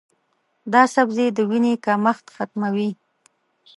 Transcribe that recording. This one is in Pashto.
دا سبزی د وینې کمښت ختموي.